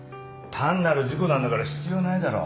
単なる事故なんだから必要ないだろ。